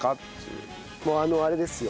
もうあのあれですよ。